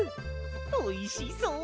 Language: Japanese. おいしそう！